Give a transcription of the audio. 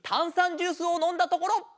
ジュースをのんだところ！